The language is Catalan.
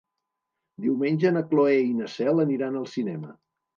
Diumenge na Cloè i na Cel aniran al cinema.